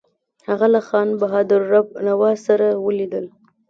هغه له خان بهادر رب نواز خان سره ولیدل.